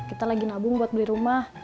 kita lagi nabung buat beli rumah